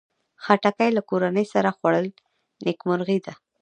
خټکی له کورنۍ سره خوړل نیکمرغي ده.